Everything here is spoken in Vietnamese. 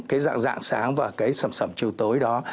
cái dạng dạng sáng và cái sầm sẩm chiều tối đó